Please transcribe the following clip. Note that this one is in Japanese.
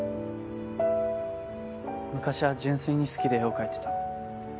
昔は純粋に好きで絵を描いてた。